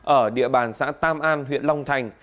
ở địa bàn xã tam an